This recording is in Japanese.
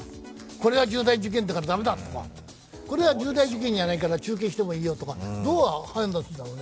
これは重大事件だから駄目だとか、これは中継してもいいとか、どう判断するんだろうね。